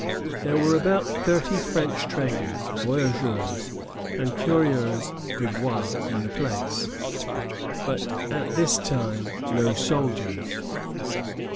There were about thirty French traders, voyageurs, and coureurs de bois in the place, but at this time no soldiers.